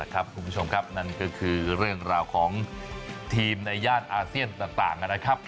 คุณผู้ชมครับนั่นก็คือเรื่องราวของทีมในย่านอาเซียนต่างนะครับ